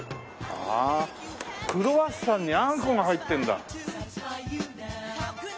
クロワッサンにあんこが入ってるんだ。